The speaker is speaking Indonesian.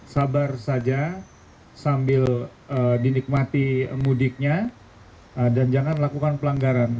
sabar saja sambil dinikmati mudiknya dan jangan melakukan pelanggaran